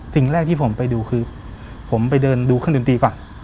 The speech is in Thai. สิ่งแรกที่ผมไปดูคือผมไปเดินดูเครื่องดนตรีก่อน